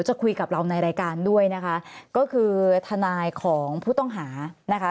จะคุยกับเราในรายการด้วยนะคะก็คือทนายของผู้ต้องหานะคะ